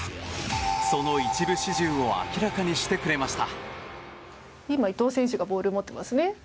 その一部始終を明らかにしてくれました。